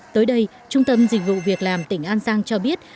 tới đây trung tâm dịch vụ việc làm tỉnh an giang cho biết